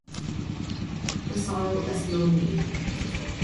The soil is loamy.